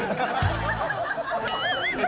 แม่อย่างนั้นไม่ชอบดอกไม้อย่างเงี้ย